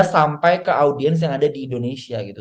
sampai ke audiens yang ada di indonesia gitu